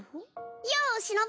・よおしのぶ！